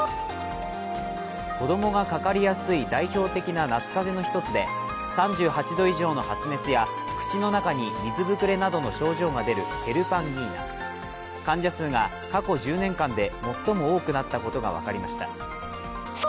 子供がかかりやすい代表的な夏風邪の１つで、３８度以上の発熱や口の中に水膨れなどの症状が出るヘルパンギーナ、患者数が過去１０年間で最も多くなったことが分かりました。